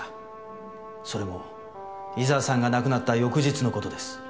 それも伊沢さんが亡くなった翌日の事です。